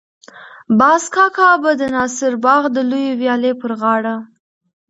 باز کاکا به د ناصر باغ د لویې ويالې پر غاړه.